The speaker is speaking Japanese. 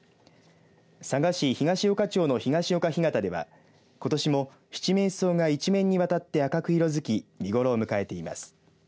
佐賀市東与賀町の東よか干潟ではことしもシチメンソウが一面にわたって赤く色づき見ごろを迎えています。